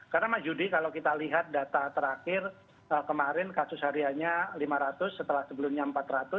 karena mas judi kalau kita lihat data terakhir kemarin kasus harianya lima ratus setelah sebelumnya empat ratus